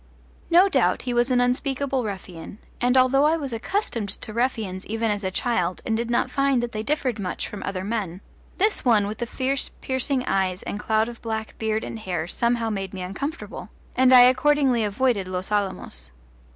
No doubt he was an unspeakable ruffian, and although I was accustomed to ruffians even as a child and did not find that they differed much from other men, this one with his fierce piercing eyes and cloud of black beard and hair, somehow made me uncomfortable, and I accordingly avoided Los Alamos.